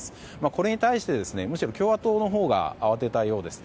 これに対して、むしろ共和党のほうが慌てたようです。